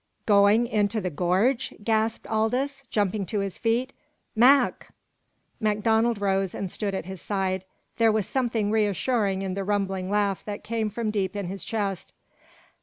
"Going into the gorge!" gasped Aldous, jumping to his feet. "Mac " MacDonald rose and stood at his side. There was something reassuring in the rumbling laugh that came from deep in his chest.